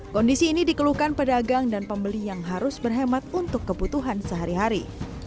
kondisi ini dikeluhkan pedagang dan pembeli yang harus berhemat untuk kebutuhan sehari hari